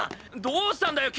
どうしたんだよ？